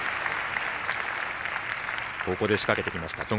ここで仕掛けてきました、戸上。